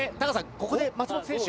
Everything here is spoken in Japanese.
ここで松本選手